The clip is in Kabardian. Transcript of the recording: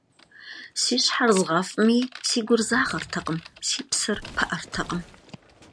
Си щхьэр згъэфӀми, си гур загъэртэкъым, си псэр пыӀэртэкъым.